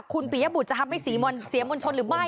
คุณปียบุตรจะทำให้เสียมวลชนหรือไม่